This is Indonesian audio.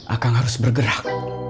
akang harus bergerak